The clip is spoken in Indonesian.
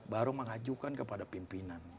baru mengajukan kepada pimpinan